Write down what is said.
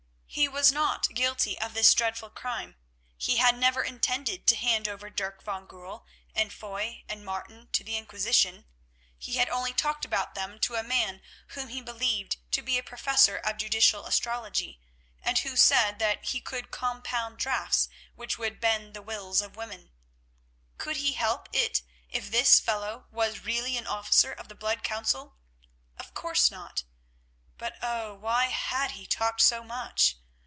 He was not guilty of this dreadful crime. He had never intended to hand over Dirk van Goorl and Foy and Martin to the Inquisition. He had only talked about them to a man whom he believed to be a professor of judicial astrology, and who said that he could compound draughts which would bend the wills of women. Could he help it if this fellow was really an officer of the Blood Council? Of course not. But, oh! why had he talked so much?